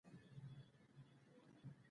سانتیاګو مالي زیان ګالي.